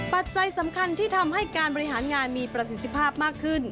ปัจจัยสำคัญที่ทำให้การบริหารงานมีประสิทธิภาพมากขึ้น